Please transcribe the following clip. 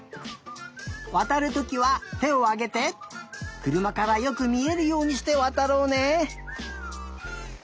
わたるときはてをあげてくるまからよくみえるようにしてわたろうね。